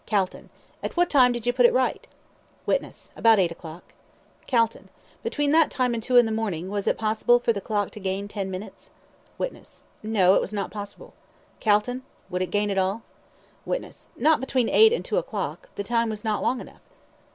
CALTON: At what time did you put it right? WITNESS: About eight o'clock. CALTON: Between that time and two in the morning, was it possible for the clock to gain ten minutes? WITNESS: No, it was not possible. CALTON: Would it gain at all? WITNESS: Not between eight and two o'clock the time was not long enough.